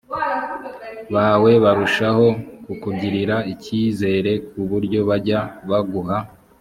bawe barushaho kukugirira icyizere ku buryo bajya baguha